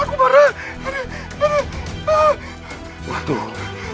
aduh aduh aduh